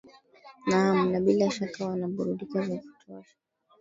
naam na bila shaka wanaburudika vya kutosha